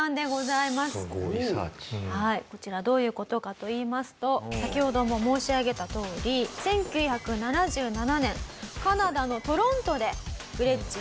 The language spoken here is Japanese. こちらどういう事かといいますと先ほども申し上げたとおり１９７７年カナダのトロントでグレッチが盗まれてしまいます。